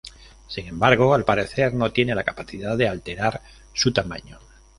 Sin embargo, al parecer no tiene la capacidad de alterar su tamaño.